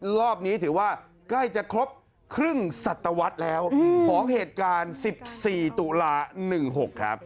รอบนี้ถือว่าใกล้จะครบครึ่งสัตวรรษแล้วของเหตุการณ์๑๔ตุลา๑๖ครับ